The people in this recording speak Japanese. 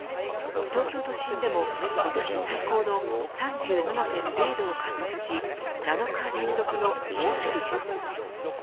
東京都心でも今年最高の３７．０度を観測し７日連続の猛暑日です。